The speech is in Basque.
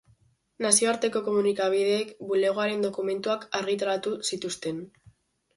Nazioarteko komunikabideek bulegoaren dokumentuak argitaratu zituzten.